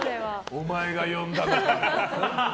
お前が呼んだのか？